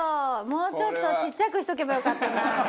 もうちょっとちっちゃくしとけばよかったな。